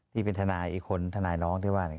ที่เป็นทนายอีกคนทนายน้องที่ว่า